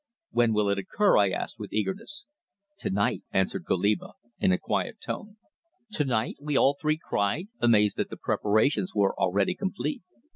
"When will it occur?" I asked, with eagerness. "To night," answered Goliba in a quiet tone. "To night?" we all three cried, amazed that the preparations were already complete.